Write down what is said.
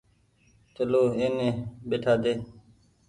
چلو ايني ٻيٺآ ۮي۔